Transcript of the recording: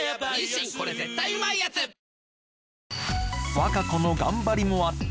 和歌子の頑張りもあって